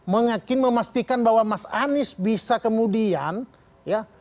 mengakin memastikan bahwa mas anies bisa kemudian ya